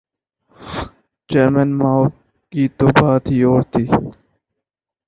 Chairman Mao کی تو بات ہی اور تھی۔